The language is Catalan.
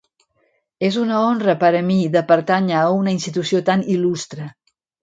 És una honra per a mi de pertànyer a una institució tan il·lustre.